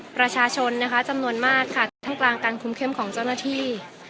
ประชาชนนะคะจำนวนมากค่ะท่ามกลางการคุมเข้มของเจ้าหน้าที่